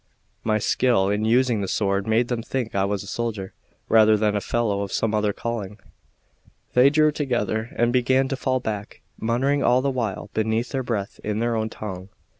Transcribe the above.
My skill in using the sword made them think I was a soldier rather than a fellow of some other calling. They drew together and began to fall back, muttering all the while beneath their breath in their own tongue.